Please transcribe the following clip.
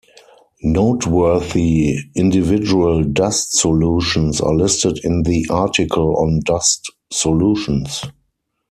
Noteworthy individual dust solutions are listed in the article on dust solutions.